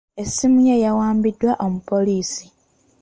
Essimu ye yawambiddwa omupoliisi.